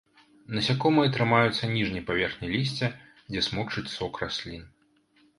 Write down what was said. Насякомыя трымаюцца ніжняй паверхні лісця, дзе смокчуць сок раслін.